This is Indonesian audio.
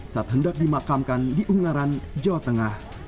saat hendak dimakamkan di ungaran jawa tengah